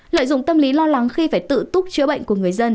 lợi dụng tâm lý lo lắng khi phải tự túc chữa bệnh của người dân